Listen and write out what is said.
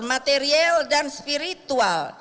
material dan spiritual